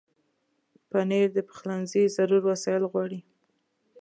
پنېر د پخلنځي ضرور وسایل غواړي.